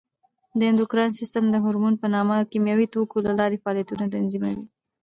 د اندوکراین سیستم د هورمون په نامه کیمیاوي توکو له لارې فعالیت تنظیموي.